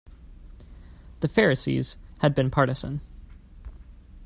The Pharisees had been partisan.